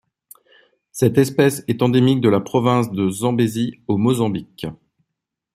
Cette espèce est endémique de la province de Zambézie au Mozambique.